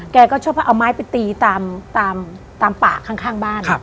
แกก็ชอบเอาไม้ไปตีตามปากข้างบ้าน